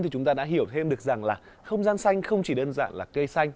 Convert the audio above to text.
thì chúng ta đã hiểu thêm được rằng là không gian xanh không chỉ đơn giản là cây xanh